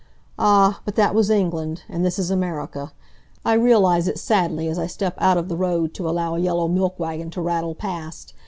Ah, but that was England, and this is America. I realize it sadly as I step out of the road to allow a yellow milk wagon to rattle past.